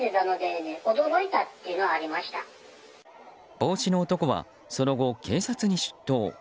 帽子の男はその後、警察に出頭。